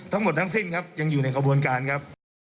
ทั้งหมดทั้งสิ้นครับยังอยู่ในกระบวนการครับ